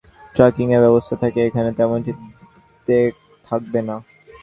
তবে ওগুলোতে যেমন জিপিএস ট্র্যাকিংয়ের ব্যবস্থা থাকে, এখানে তেমনটি থাকবে না।